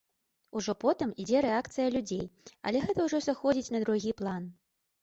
Ужо потым ідзе рэакцыя людзей, але гэта ўжо сыходзіць на другі план.